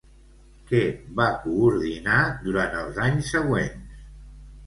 Què va coordinar durant els anys següents?